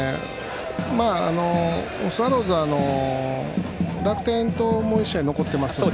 スワローズは楽天ともう１試合残っています。